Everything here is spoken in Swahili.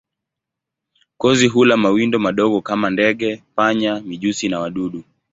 Kozi hula mawindo madogo kama ndege, panya, mijusi na wadudu.